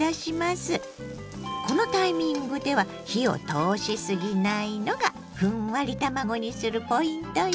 このタイミングでは火を通しすぎないのがふんわり卵にするポイントよ。